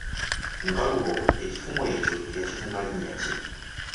Nkalubo ekifumu ekyo yakituuma linnya ki?